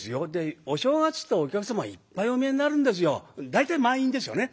大体満員ですよね。